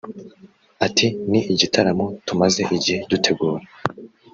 Ati “Ni igitaramo tumaze igihe dutegura